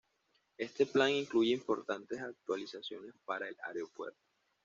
Este plan incluye importantes actualizaciones para el aeropuerto.